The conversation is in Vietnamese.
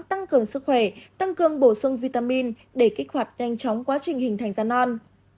tăng cường sức khỏe tăng cường bổ sung vitamin để kích hoạt nhanh chóng quá trình hình thành gian on